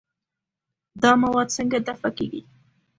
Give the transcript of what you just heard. دا مواد څنګه دفع کېږي؟